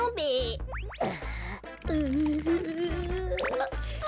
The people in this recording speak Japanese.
あっ。